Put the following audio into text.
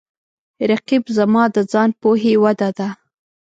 رقیب زما د ځان پوهې وده ده